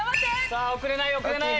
さあ遅れない遅れない。